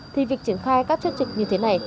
thì việc triển khai các chốt trực như thế này